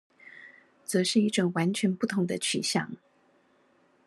則是一種完全不同的取向